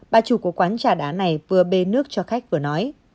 bà chủ của quán trà đá này vừa bê nước cho khách vừa nói